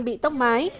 bị tốc mái